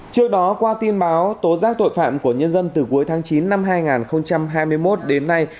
trước đó qua tin báo tố giác tội phạm của nhân dân từ cuối tháng chín năm hai nghìn hai mươi một đến nay